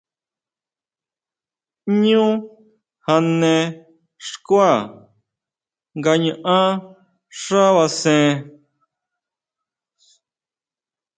Ñu jane xkuá nga ñaʼán xábasen.